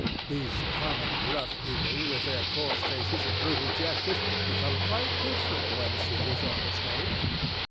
These common rough people, with their coarse faces and brutal gestures, become quite different when she is on the stage.